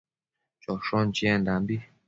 choshon chiendambi